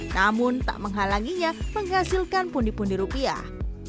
namun tak menghalanginya menghasilkan pundi pundi rupiah